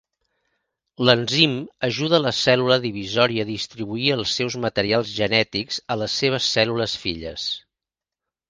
L'enzim ajuda la cèl·lula divisòria a distribuir els seus materials genètics a les seves cèl·lules filles.